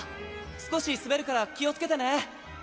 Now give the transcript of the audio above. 少し滑るから気をつけてね。